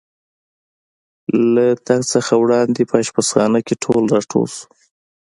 له تګ څخه وړاندې په اشپزخانه کې ټول را ټول شو.